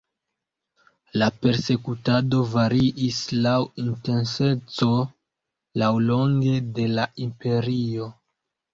La persekutado variis laŭ intenseco laŭlonge de la imperio.